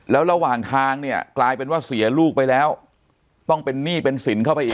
แล้วระหว่างทางเนี่ยกลายเป็นว่าเสียลูกไปแล้วต้องเป็นหนี้เป็นสินเข้าไปอีก